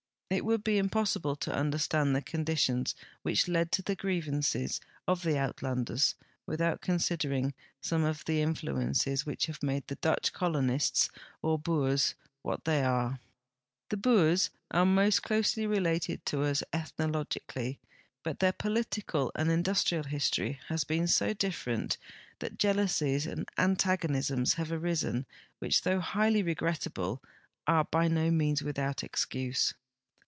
It Avould be impossible to understand the conditions Avhich led to the grievances of the Uitlanders without considering some THE REVOLT OF THE UlTL ANDERS 353 of the influences which have made the Dutch colonists or Boers what they are. The Boers are most closely related to us ethno logically, but their political and industrial history has been so different that jealousies and antagonisms have arisen which, though highly regrettable, are by no means without excuse.